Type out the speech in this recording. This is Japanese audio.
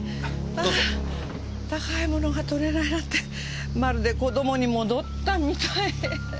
あ高いものが取れないなんてまるで子どもに戻ったみたい。